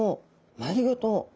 丸ごと。